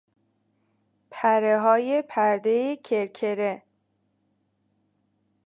پرههای پردهی کرکره